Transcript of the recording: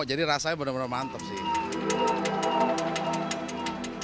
jadi rasanya benar benar mantap sih